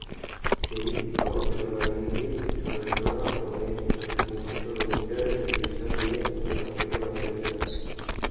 তবে সেনাবাহিনীর সদস্যরা অনেক মুমূর্ষু রোগীকে চিকিৎসা দিয়ে মৃত্যুর হাত থেকে বাঁচিয়েছেন।